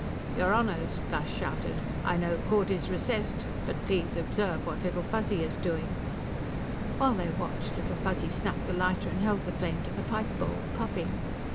"Your Honors!" Gus shouted, "I know court is recessed, but please observe what Little Fuzzy is doing." While they watched, Little Fuzzy snapped the lighter and held the flame to the pipe bowl, puffing.